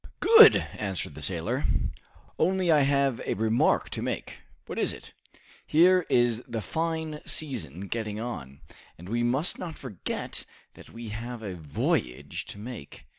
"Good!" answered the sailor. "Only I have a remark to make." "What is it?" "Here is the fine season getting on, and we must not forget that we have a voyage to make."